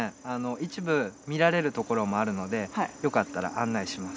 一部見られるところもあるのでよかったら案内します。